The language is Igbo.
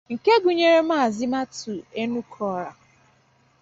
nke gụnyere Maazị Matthew Enukorah